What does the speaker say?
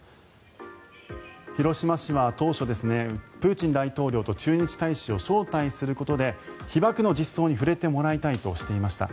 広島市は当初プーチン大統領と駐日大使を招待することで被爆の実相に触れてもらいたいとしていました。